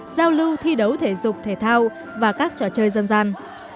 giao lưu thi đấu thể dục thể thao và các trò chơi dân gian